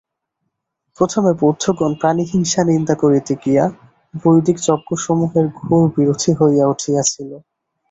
প্রথমে বৌদ্ধগণ প্রাণিহিংসা নিন্দা করিতে গিয়া বৈদিক যজ্ঞসমূহের ঘোর বিরোধী হইয়া উঠিয়াছিল।